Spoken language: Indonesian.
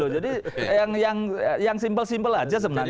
jadi yang simple simple aja sebenarnya